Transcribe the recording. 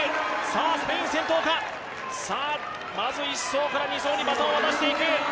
１走から２走にバトンを渡していく。